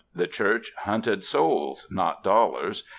The Church hunted souls, not dollars.